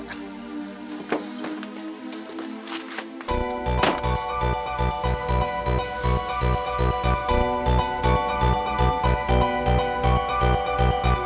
tidak ada yang bisa meluangin aku